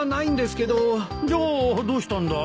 じゃあどうしたんだい？